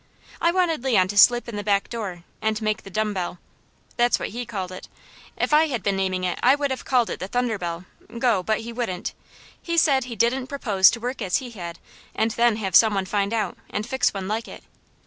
I wanted Leon to slip to the back door and make the dumb bell that's what he called it; if I had been naming it I would have called it the thunder bell go; but he wouldn't. He said he didn't propose to work as he had, and then have some one find out, and fix one like it.